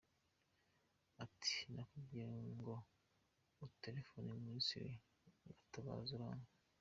Ati nakubwiye ngo utelefone Ministre Gatabazi uranga.